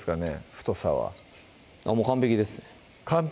太さはあっもう完璧ですね完璧？